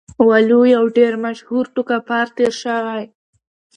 وَلُو يو ډير مشهور ټوکپار تير شوی